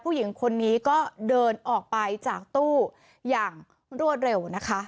ผู้หญิงคนนี้ก็เดินออกไปจากตู้อย่างรวดเร็วนะคะ